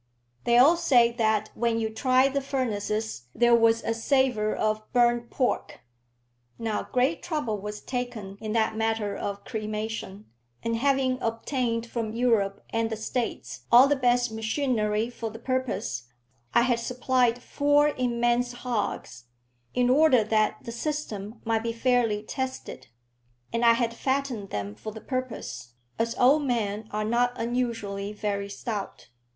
"They all say that when you tried the furnaces there was a savour of burnt pork." Now great trouble was taken in that matter of cremation; and having obtained from Europe and the States all the best machinery for the purpose, I had supplied four immense hogs, in order that the system might be fairly tested, and I had fattened them for the purpose, as old men are not unusually very stout.